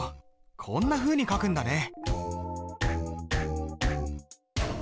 こんなふうに書くんだね。